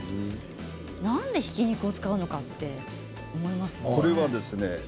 なんで、ひき肉を使うのかと思いますよね。